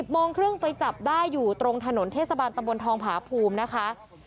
โมงครึ่งไปจับได้อยู่ตรงถนนเทศบาลตำบลทองผาภูมินะคะ